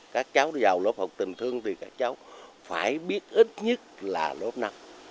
các cháu vào lớp học tình thương thì các cháu phải biết ít nhất là lớp năm